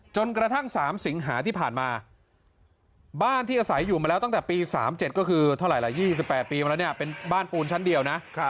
จนกระทั่ง๓สิงหาที่ผ่านมาบ้านที่อาศัยอยู่มาแล้วตั้งแต่ปี๓๗ก็คือเท่าไหร่๒๘ปีมาแล้วเนี่ยเป็นบ้านปูนชั้นเดียวนะ